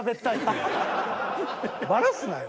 バラすなよ。